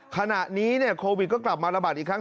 ขณะนี้โควิดก็กลับมาระบาดอีกครั้ง